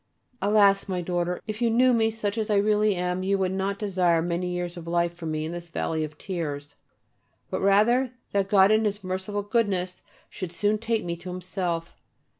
Alas! my daughter, if you knew me such as I really am you would not desire many years of life for me in this valley of tears, but rather that God in His merciful goodness should soon take me to Himself.